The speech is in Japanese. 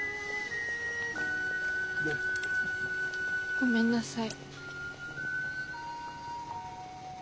ごめんなさい。